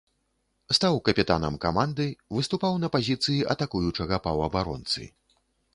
Стаў капітанам каманды, выступаў на пазіцыі атакуючага паўабаронцы.